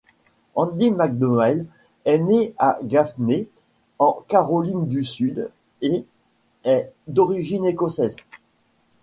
Andie MacDowell est née à Gaffney, en Caroline du Sud et est d'origine écossaise.